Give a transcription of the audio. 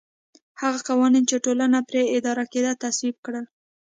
هغه قوانین چې ټولنه پرې اداره کېده تصویب کړل